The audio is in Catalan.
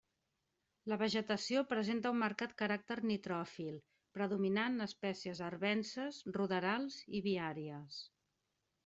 La vegetació presenta un marcat caràcter nitròfil predominant espècies arvenses, ruderals i viàries.